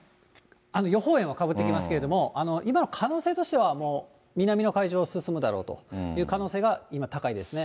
予報円はかぶってきますけれども、今の可能性としては、もう南の海上を進むだろうという可能性が今、高いですね。